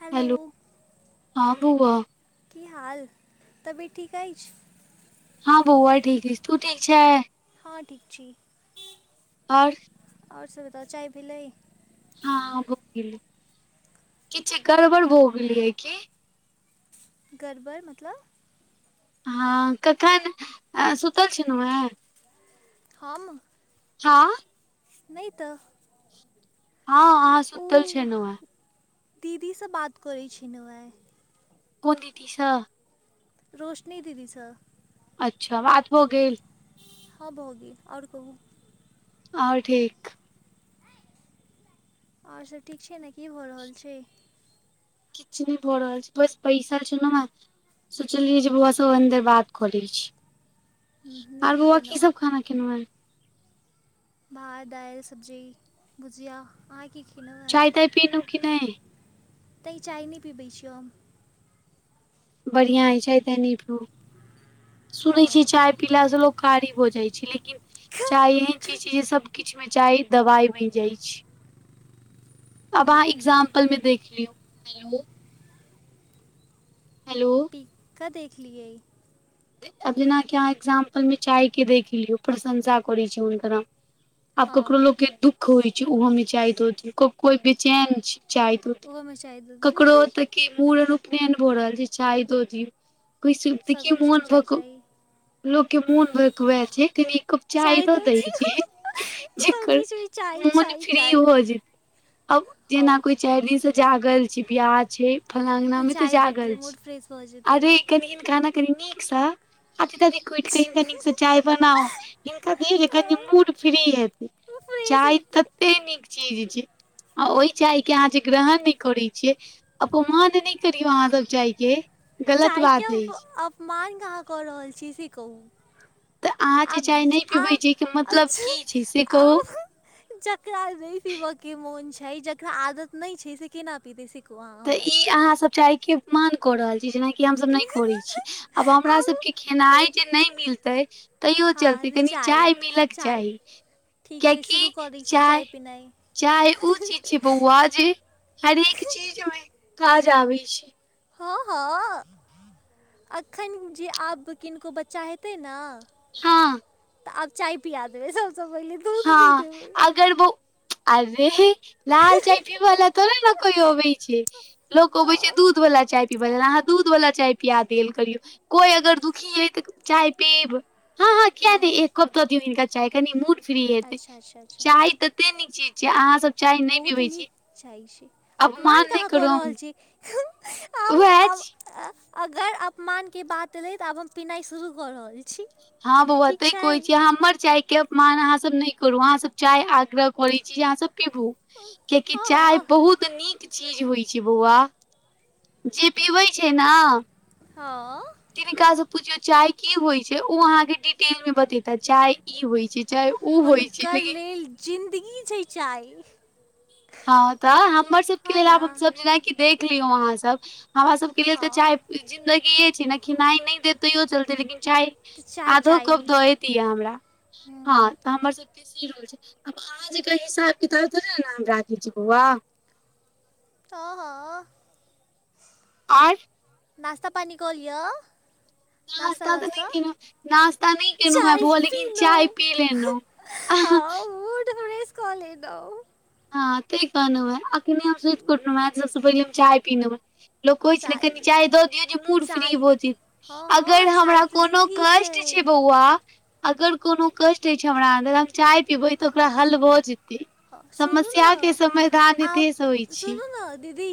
Hello हँ बउआ की हाल तबीयत ठीक अछि। हँ बौआइ ठीक हइ तू ठीक छै हँ ठीक छी आओर आओर सुविधा चाय पी लै [unintelligible] हँ भो गेली किछु गड़बड़ भो गेलियै की गड़बड़ मतलब हँ कखन सुतल छलहुँ ह हम हँ नहि त हँ हँ सुतल ओ छै नह दीदीसँ बात करै छनहु हँ [unintelligible] कौन दीदी सँ रोशनी दीदी सँ अच्छा बात हो गेल हँ भय गेल ओर कहूँ ओर ठीक आ्ओर सब ठीक छै ने की भऽ रहल छै किछु [unintelligible] नहि भढ़ रहल छै बस पैसा छ ने ने सोचलियै जे बौआस ओहन देर बात क लै छी हम्म, आर नीके बौआ की केलहुँ सब खाना केन [unintelligible] है भात दाल सब्जी भुजिया अहाँ की खेल चाय ताय पीनहु कि नय त चाय नहि पीबै छिय बढ़िया होय छै ते न सुनै छी हम चाय पीलास से लोक कारी भ जाइ छै लेकिन हँ चाय एहन चीज छै जे सब किछ में चाय हम्म, [unintelligible] कल में देखली हैेलो हेलो क देखलियै आब जेनाकि अहाँ एक्जाम्पल मे चाय के देख लियौ प्रशंसा करै छी हुनकर हम आब हँ ककरो लोग के दुख होइ छै ओहो मे चाई होत कोई बेचैन छै चाय दूध ओहोमे चाय दऽ ककरो दियौ तऽ मूड़ रूप एहन भऽ रहल छै चाय तो जी कि देखियौ मोन च भक [inaudible] लोक के मोन भकबैल छै कनि एक कप चाय दै दऽ दहि दियौ जकर सभकिछुमे चाय मोन चाय फ्री चाय हो जेत अब जेना हँ कोइ चारि दिनसँ जागल छी बियाह छै फलाङ्गनामे तऽ जागल छी सझतै [inaudible] अरे कनि हिनका ना कनि नीक स अ आदि बनाउ इनका दियउ जे कनि मूड फ्री हैत फ्रेश चाय हेतै तते नीक चीज छै आ ओहि चाय के अहा छै ग्रहण न करै छियै अपमान नहि करियौ अहाँ सब चाय के गलत चायके बात अछि अपमान कहाँ कऽ रहल छी से कहू तऽ अहाँ जे अब चाय नहि आ पीबै छी के मतलब अबछ की छै से आ कहू [inaudible] जेकरा नहि पीबऽ के मोन छै जेकरा आदत नहि छै से किना पी द सी [unintelligible] कु ह त ई अहाँसभ चाही कि मान क रहल छी जेनाकि हमसभ नहि करै छी आब हमरा सबके खेनाइ जे नहि मिल तैयो हँ चलते तऽ कनि चाय मिलक चाय चाही ठीक छै शुरू कियकि कऽ दै छी चाय पिनाइ चाय ओ चीज छै बौआ हरेक चीज मे काज आबै छै हँ हँ एखन जे आब किनको बच्चा हेतै ने हँ तऽ आब चाय पिया देबै सबसँ पहिले दूध नहि हँ देबै अगर वो अरे लाल चाय पीबऽ ला‌ थोरको ने कोई अबै छै लोक अबै छै हँ दूध वला चाय पीबै अहाँ दूध वाला चाय पिया देल करियौ कोइ अगर दुखी हइ तऽ चाय पीब हँ हँ किया दे एक कप हिनका चाय कनि मूड फ्री हेतै अच्छा अच्छा अच्छा चाय तऽ कते नीक चीज छै अहाँ सब चाय नहि बहुत पीबै नीक छी चाय छै अपमान कहाँ कऽ रहल छी आब उहै अछि आब अगर अपमान के बात एले तऽ आब हम पिनाइ शुरू कऽ रहल छी हँ बोआ ठीक तै छै कहय छि हमर चायके अपमान अहाँ सब न नहि करु अहाँ सब चाह आग्रह करै छी जे अहाँ सब पीबू कियकि हँ चाय हँ बहुत नीक छै चीज होइ छै बौआ जे पीबै छै ने हँ तिनका से पूछियो चाय की होइ छै ओ अहाँ के डिटेल में बतेता चाय ई होइ छै चाहे ओ होइ छै हुनकर लेकिन लेल जिन्दगी छय चाय हँ तऽ हमर सबके हा लेल ना आब हमसभ जेनाकि देख लियौ अहाँसभ हमरा सभके लेल हा तऽ चाय जिंदगीये छै ने खिनाई न देत तैयो चलते लेकिन चाय ते चाय आधो चाय कप दत द य हमरा [unintelligible] हम्म. हँ तऽ हमर सब के सी रूल छै आब अहाँ जे हिसाब किताब ने हम कि बौआ आ हँ आर [inaudible] नाश्ता पानी कहलिअ नाश्ता नास्ता तऽ नहि दशता केलहुँ नास्ता नहि केलहुँ हेँ चाय बौआ लेकिन पीलौ चाय पी हँ लेलहुँ ओ तऽे कॉल ह द [inaudible] हँ ठीक कहलू है अखने हम सुत क उठलो है सबसे पहिले हम चाय पीलो है लोक कोहि छय नहि कनि चाय द दियो मूड फ्री चाय भ हँ अगर हँ चाय हमरा तऽ कोनो जिन्दगी कष्ट छै बौआ अगर कोनो कष्ट अछि छै हमरा अन्दर हम चाय पीबै तऽ ओकरा हल भऽ जेतै हँ सुनू ने समस्या के समाधान आब एतहि से होइ छै सुनू ने दीदी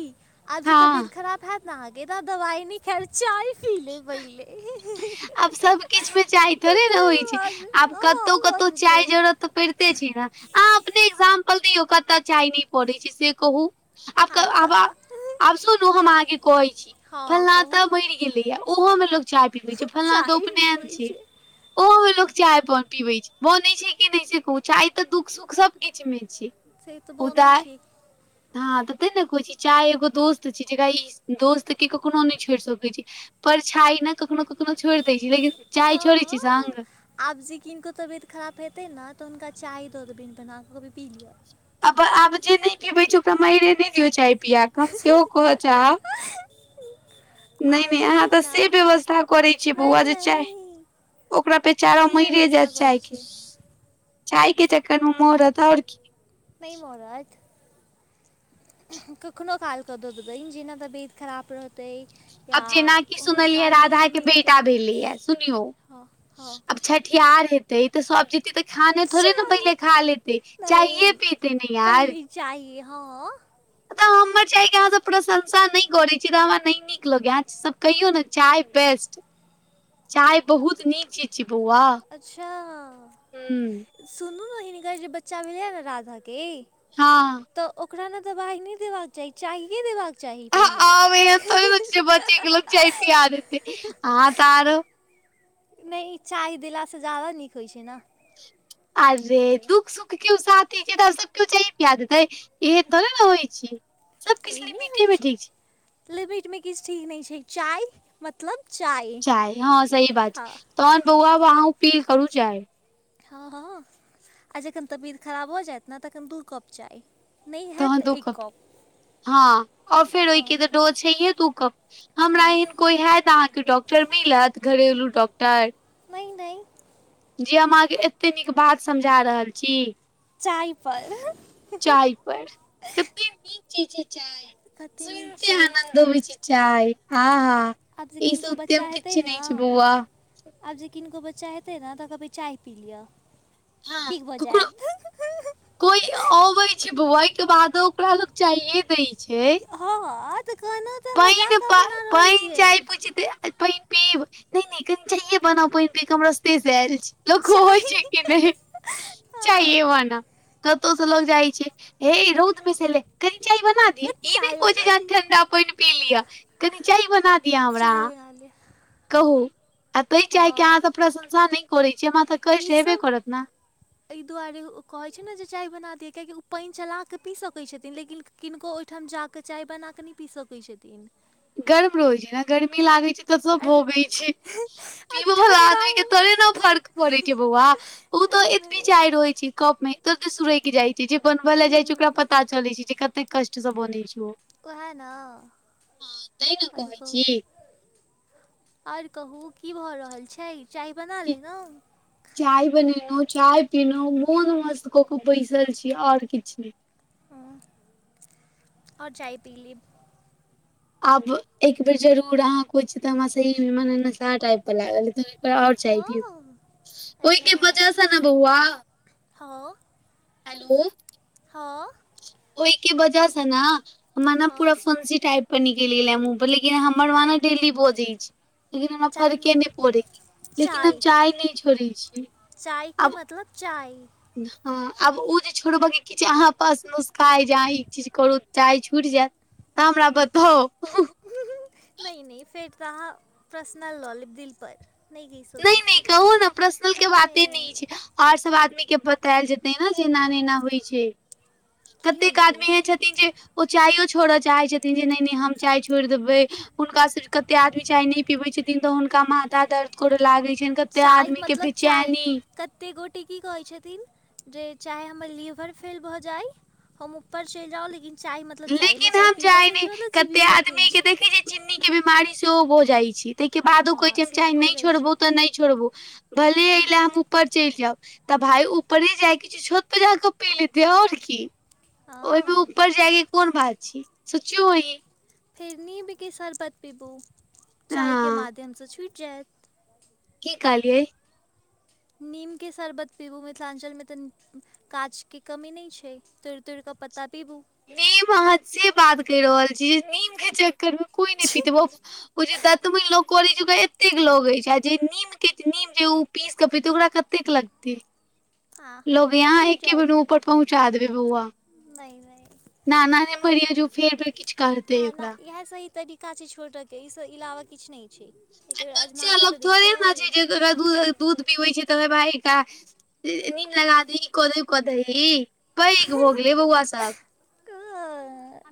आब जे हँ। तबियत खराब हयैत न ने अहाँ के तब दवाई न खैर चाय पीले पहिले आब सब किछ मे चाय थोड़े ने होइ तकर छै बाद आब हँ कतौ भऽ कतौ जेतै चाय जरत पढ़िते छी ने अहाँ अपने एक्जाम्पल दियौ कतऽ जााय नहि पड़ैत छै से कहू आब हँ आब तऽ आब सुनू हम हँ हँ आहके कहै छी हँ फलना तऽ कहू भ गेलैए ओहोमे लोक चाय पीबैत छै फलला चाय त उपनयन पीबै छै ओहो मे लोग चाय पीबै छै बनै छै कि नहि छै चाय तऽ दुःख सुख सब किछु मे छै से तऽ बनै उदाय छै हँ तऽ ते ने कह छ छी चाय एगो दोस्त छी जेकरा दोस्त क कखनो नहि छेड़ सकै छै परछाइ नहि कखनो कखनो छोड़ि दै छी लेकिन चाय छोड़ैत छै हँ संग आब से किनको तबियत खराब हेतै ने तऽ हुनका चाय दऽ देबिन बना कर कि पी लिया आब आब जे नहि पीबे छै ओकरा माररे नहि दियो चाय पियिया के हम सेहो कहऽ चाहब ठीक नहि आओर नहि सब अहाँ तऽ ने से व्यवस्था करैत छियै बौआ नहीं जे चाय नहीं ओकरा बेचारा की मरिे व्यवस्था जायत चाय करै के छै चाय के चक्कर मे मोरत आओर की नहि मरत कखनो काल कऽ दऽ देबनि जेना तबियत खराब रहतै या आब जेनाकि हुनका सुनलियै नींद राधाके नहि बेटा एतनि भेलैया सुनियौ हँ हँ आब छठिहार हेतै तऽ सब जेती तऽ खाने थोड़े ने चाय पहिले खा लेते चाहिए पीते ने यार चाइए हँ तऽ हमर [inaudible] चाय के अहाँ सब प्रशंसा नहि करे छी तऽ हमरा नहि नीक लगैये अहाँ सब कहियो ने चाय बेस्ट [inaudible] चाय बहुत नीक चीज छै बौआ अच्छा हूंम्म सुनू ने हिकर जे बच्चा भेलै ने राधा के हँ तऽ ओकरा न दवाई नहि देबाक के चाही चाहिये देबाक चाही चाही पहिले आब एहन थोड़े ने छै आँहा तऽ आरो नहि ई चाय देलासँ ज्यादा नीक होइत छै ने अरे दुःख सुख के साथी के तऽ सब केओ चाहे पिया देतै इहे थोड़े ने होइ छी त ई नहि होइ छै लिमिट मे किछु ठीक नहि छै चाय मतलब चाय चाह हँ सही बात हँ छै तहन बौआब अहाँ उपील करू चाह हँ हँ आ जखन तबियत खराब भऽ जायत ने तखन दू कप चाइ तहन दू कप हँ ओर फेर ओहिके हँ तऽ डोज छैेहे दू कप हमरा हँ एहन कोई हयत अहाँके डॉक्टर मिलत घरेलू डॉक्टर नहि नहि जी हम अहाँके एतेक नीक बात समझा रहल छी चाय पर चाय कते नीक चीज छै चाय कते नीक सुनिते छै आनंद अबै छै चाय हँ हँ आब जे ईस किनको उत्यम बच्चा हेतै किछ ने नहि छै बौआ आब जे किनको बच्चा हेतै ने तऽ कहबै चाय पी लिअ हँ ठीक भऽ ककरो जायत कोई अबै छै बोआ ओय के बादो ओकरा लोक चाइये दय छै हँ हँ तऽ कहान पानि पाइन चाइ पूछित पानि पीब नहि नहि कनि चाइये बना पानि पीब के हम रोस्ते से आयल छी लोक चाय कहैछै कि नहि हँ, चाहिए वनाउ कतहु से लोग जाइ छै हे रौद मे से अयले कनि चाय बना ई नहि चाय कह छै जे बना अहाँ दियौ ठण्डा पानि पी लिअ कनि चाय बना दिअ हमरा चाय बना लिअ कहू आ ताहि चाहके हँ अहाँ तऽ प्रशंसा नहि करै छियै हमरा तऽ कष्ट ई हेबे सब करत ने एहि दुआरे ओ कहैत छै ने जे चाय बना दियअ कियाकि ओ पानि चला कऽ पी सकैत छथिन लेकिन किनको ओहिठाम जाकऽ चाय बना कऽ नहि पी सकैत छथिन गर्म रहै छै ने गर्मी लागै छै तऽ सब आर भगै छै आ पिबहो आदमी के तोरे ने ठण्डामे फर्क पड़े छै बौआ उ नहि तऽ एतबी नहि चाइ रहै छै कप मे ओत सुरक जाइ छै जे बनबय ले जाय छै ओकरा पता चले छै जे कते कष्ट से बनै छै ओ वएह ने हँ तैं ने आर कहै कहू छी आओर कहू की भऽ रहल छै चाय बना कि लेलू चाय बनेलहुँ चाय पीलहुँ मोन मस्त कऽ कऽ बैसल छी ओर किछु नै ओ ओर चाय पीलेब आब एक बेर जरूर अहाँ कहै छियै तऽ हमरा सही मे नसा टाइप पर लागल आओर चाहिये हँ पीबू अच्छा ओहिके बजह ने बौआ हँ हेलो हँ ओहिके वजह से ने मने हँ पूरा फंसी टाइप प न केेल मुह पर लेकिन हमर व डेल्ली पहु जा छै लेकिन हमरा चाय फरके नहि पड़ै लेकिन हम चाय नहि छोड़ै छी चायके आब मतलब चाय हँ आब ओ जे छोड़ब कि अहाँ पास पाइ जहाँ ई चीज करू चाह छुटि जायत तऽ हमरा बताउ नहि नहि फेरता अहां प्रसनल लऽ लेब दिल पर नहि नहि कहू ने प्रस्नल के बाते नहि छै आर सब आदमी के कायल जेतै ने जे एना ने एना होइ छै की कतेक छै आदमी होइ छथि छथिन जे ओ चायो छोड़य चाहे छथिन जे नहि नहि हम चाय छोड़ि देबै हुनका से कते आदमी चाय नहि पीबैत छथिन तऽ हुनका माथा दर्द करय लागैत छनि कते आदमी के बिचैनी कतेक गोटे की कहैत छथिन जे चाहे हमर लीवर फेल भऽ जाइ हम ऊपर चलि जाउ लेकिन चाय मतलब चाय हमरा लेकिन चाय हम पीबय के छै मतलब चिबीबय के छै चिन्नीके बीमारी सेहो भऽ जाइ छै ताहिके बादो हँ कहैत छै हम से तऽ चाहे भऽ नहि जाइ छै छोड़बौ तऽ नहि छोड़बौ भले एहि हँ ले हम ऊपर चलि जायब तऽ भााय ऊपरे जाइ के छै तो छत पर जा कऽ पी लेत आओर की ओहिमे ओ ऊपर जायके कोन बात छै सोचियौ अही फेर नीमके शर्बत पिबू चायके हँ माध्यमसँं छूटि जायत की कहलियै नीमके शरबत पीबू मिथिलाञ्चलमे तऽ काज के कमी नहि छै तोड़ि तोड़ि कऽ पता पीबू नीम अहाँ से बात कहि रहल छी जे नीमके चक्करमे कोइ नहि पीतेब ओ जे दतमनि लोक करैत छै ओकरा एतेक लगैत छै आ जे नीम के नीम जे ओ पीस के पीतै ओकरा कत लगती हँ लोगये तऽ अहाँ छुटि एके जायत बेर मे ऊपर पहुँचा देबी बौआ नहि नहि नाना नहि मरिहें जे फेर फर किछु करते ना ना ओकरा इएह सही तरीका छै छोड़ऽके ई सँ इलावा किछु नहि छै एहि बेर आजमा बच्चा कऽ लोग तऽ थोड़े देखियौ ने छै जे दूध पीबै छै त भाय का नीम लगा दही कऽ दी क दही पैघ भ गेलेै बौआ सब [unintelligible]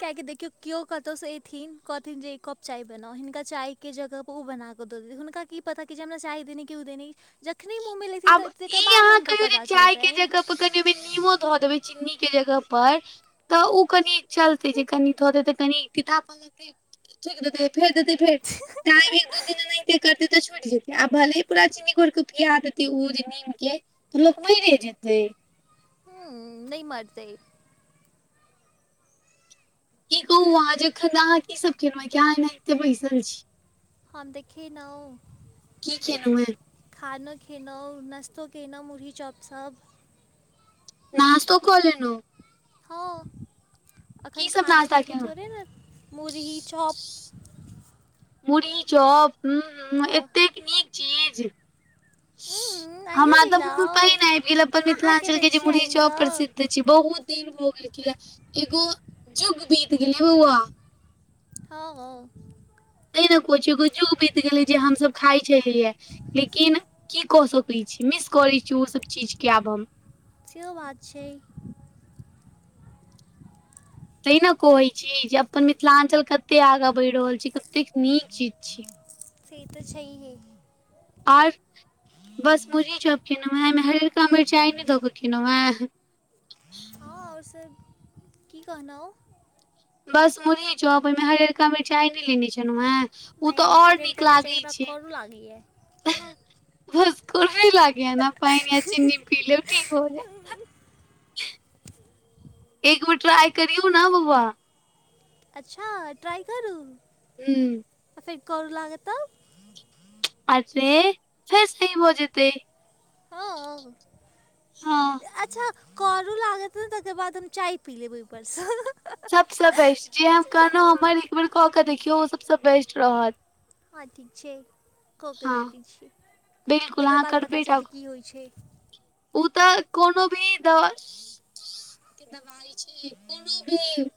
किया कि देखियऔ केओ कतौ से काउ ऐथिन कहथिन जे एक कप चाय बनाओ हिनका चाय के जगह ओ बना कऽ द द हुनका क पता कि हमरा चायी देनी ओ देनी जखनी मुँह मे ल आब ई अहाँ कहियौ जे चाय के जगह कनि ओ नीमो धऽ देबे चिन्नी के जगह पर तऽ ओ कनि चलतै जे कनि दे त कनि तापल ल फेर देते फेर टाइम एक दू दिन एते करते तऽ छूट जेतै आब भले पूरा चीनी घोर के खिया देते उ जे नीम के तऽ लोक मरे जेतै हू नै मरते की कहू अहाँ जखन अहाँ की सभ केलहुै कि अहाँ एना एते बैसल छी हम देखेनओं की खेलहुँ हेँ खाना खेलहुँ नाश्तो केलहुँ मुरही चॉप सभ नस्तो कऽ लेलोऊ हँ अखन की सब खाना नाश्ता खााय के केलहुँ थोड़े ने मुरही चॉप मुी चौप ह हँ एतेक नीक चीज उम्म, अहियो हमरा तऽ मुह में जिलाउ पहिन आबि गेल अपन अहाँके मिथिलाञ्चल दै के जे छी मुुरी आनि चौप कऽ प्रसिद्ध छी बहुत दिन भ गेलखिन एगो जुग बीत गेलै बौआ हँ हँ कछु एगो जुग बीत गेलै जे हमस खाइ छलिये लेकिन की कऽ सकैत छी मिस करैत छी ओसभ चीज के आब हम सेहो बात छै तैं ने कहै छी जे अपन मिथिलाञ्चल कते आगाँ बढ़ि रहल छी कतेक नीक चीज छी से तऽ छैये आ ओर बस मुरही च कनहुँ हँ हरियरका मिरचाइ नहि दऽ कऽ कनहुँ हँ हँ आ ओर सर की कहना ओ बस मुरही चौप ओहिमे हर हरयारका मिरचाइ नहि लेने छलहुँ हेँ ओ नहि तऽ ओर नीक हरियरका मिरचाइ लागै हमरा छै करू लागैए भस को भ लागे ने पानि या चीनी पी ले ठीक हो जेत एक बे ट्रय करिऔ ने बौआ अच्छा ट्राइ करू हू फेर करू लागत तऽ अरे फेर सही हो जेतै हँ हँ अच्छा करू लागत ने तकर बाद हम चाय पी लेब ऊपर से सभ से बेस्ट जे हम कहलहुँ हमर एक बेर कऽ क देखियौ ओ सभ से बेस्ट रहत हान ठीक छैय कऽ के हँ देखैत छियै बिल्कुल तकर अहाँ बाद पता चलते की होइ छै ओ तऽ कोनो भी दवा के दवाइ छै कोनो भी